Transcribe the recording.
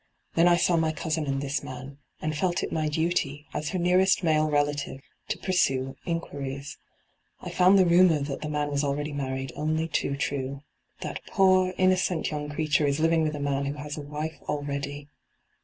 Then I saw my cousin and this man, and felt it my duty, as her nearest male relative, to pursue inquiries. I found the rumour that the man was already married only too true. That poor, innocent young creature is living with a man who has a wife already.